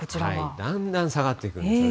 だんだん下がっていくんですね。